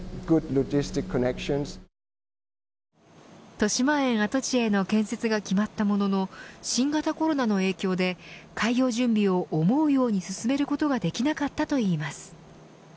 としまえん跡地への建設が決まったものの新型コロナの影響で開業準備を思うように進めることができなかったといいます。